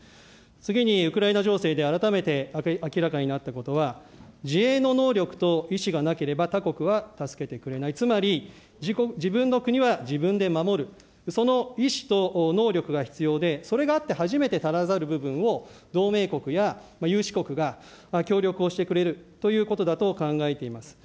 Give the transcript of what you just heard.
次に、ウクライナ情勢で改めて明らかになったことは、自衛の能力と意思がなければ他国は助けてくれない、つまり、自分の国は自分で守る、その意思と能力が必要で、それがあって初めて足らざる部分を同盟国や有志国が協力をしてくれるということだと考えています。